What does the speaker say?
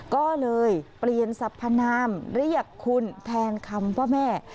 ก็เลยเปลี่ยนสัพพนามเรียกคุณแทนคำว่าแม่